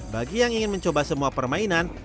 bagi yang ingin mencoba semua permainan